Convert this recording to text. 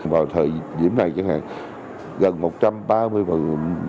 vào thời diễm này chẳng hạn gần một trăm ba mươi phần